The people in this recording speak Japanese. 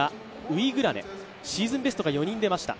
シーズンベストが４人出ました。